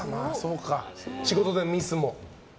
仕事でミスも？